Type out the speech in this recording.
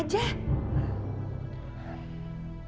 biar dia main